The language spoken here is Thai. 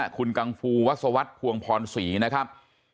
คุณกังฟูวัศวรรษภวงพรศรีนะครับ